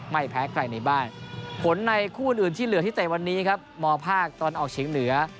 ไม่แพ้ใครในบ้านผลในคู่อื่นที่เหลือที่เตะวันนี้ครับมภาคตะวันออกเฉียงเหนือ